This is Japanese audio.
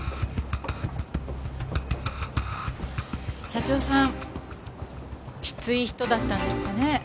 社長さんきつい人だったんですってね。